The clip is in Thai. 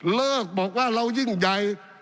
เลิกบอกว่าเรายิ่งใหญ่